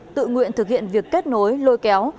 tự nguyện thực hiện việc kết nối lôi kéo